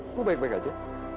aku baik baik aja